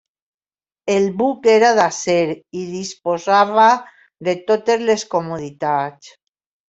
El buc era d'acer i disposava de totes les comoditats.